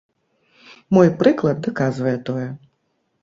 Мой прыклад даказвае тое.